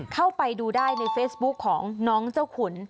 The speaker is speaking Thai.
เข้าไปดูได้ในเฟซบุ๊คของน้องเจ้าขุน